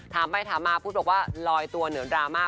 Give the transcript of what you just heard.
ถามไปถามมาพุทธบอกว่าลอยตัวเหนือดราม่า